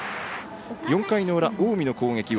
４回の裏、近江の攻撃。